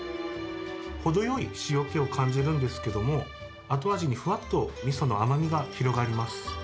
程よい塩気を感じるんですけれども、後味にふわっとみその甘みが広がります。